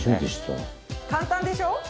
和田：簡単でしょ？